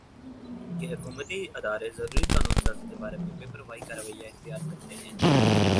کہ حکومتی ادارے ضروری قانون سازی کے بارے میں بے پروائی کا رویہ اختیار کرتے ہیں